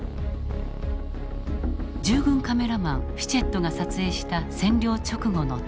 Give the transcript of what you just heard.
従軍カメラマンフィチェットが撮影した占領直後の東京。